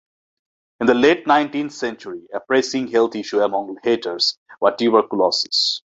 In the late nineteenth century, a pressing health issue among hatters was tuberculosis.